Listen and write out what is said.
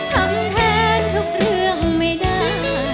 ทำแทนทุกเรื่องไม่ได้